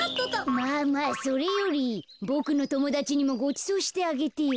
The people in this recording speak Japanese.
まあまあそれよりボクのともだちにもごちそうしてあげてよ。